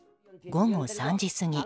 午後３時過ぎ